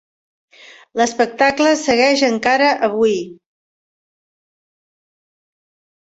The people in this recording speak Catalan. L'espectacle segueix encara avui.